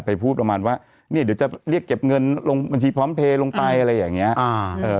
ไปพูดประมาณว่าเดี๋ยวจะเรียกเก็บเงินบัญชีพร้อมเทลงไปอะไรอย่างนี้